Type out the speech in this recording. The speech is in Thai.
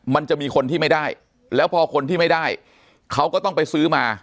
มันจะมีคนที่ไม่ได้แล้วพอคนที่ไม่ได้เขาก็ต้องไปซื้อมา